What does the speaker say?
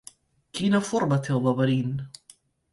Quina forma té el laberint?